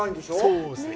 そうですね。